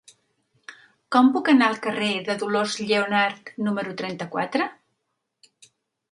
Com puc anar al carrer de Dolors Lleonart número trenta-quatre?